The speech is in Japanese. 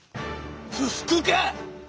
不服か？